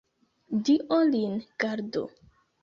Dio lin gardu!